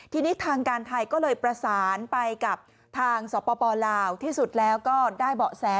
ทีนี้ทางการไทยก็เลยประสานไปกับทางสปลาวที่สุดแล้วก็ได้เบาะแส